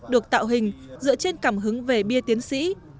được tạo hình dựa trên cảm hứng về bia tiến sĩ